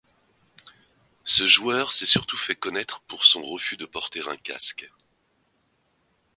Ce joueur s'est surtout fait connaître pour son refus de porter un casque.